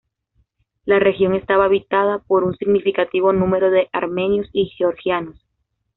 La región estaba habitada por un significativo número de armenios y georgianos.